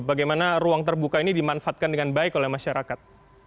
bagaimana ruang terbuka ini dimanfaatkan dengan baik oleh masyarakat